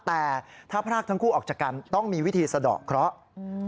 แต่ถ้าพรากทั้งคู่ออกจากกันต้องมีวิธีสะดอกเคราะห์